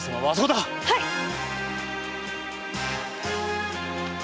はい！